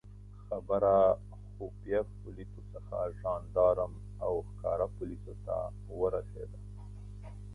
خبره خفیه پولیسو څخه ژندارم او ښکاره پولیسو ته ورسېده.